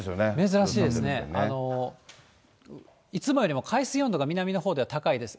珍しいですね、いつもよりも海水温度が南のほうでは高いです。